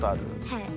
はい。